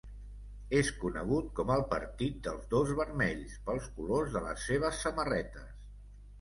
És conegut com el partit dels dos vermells, pels colors de les seves samarretes.